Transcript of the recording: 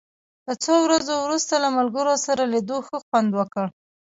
له څو ورځو وروسته له ملګرو سره لیدو ښه خوند وکړ.